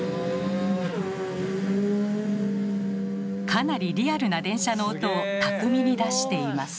かなりリアルな電車の音を巧みに出しています。